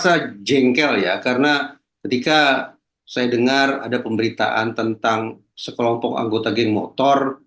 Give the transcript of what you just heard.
saya jengkel ya karena ketika saya dengar ada pemberitaan tentang sekelompok anggota geng motor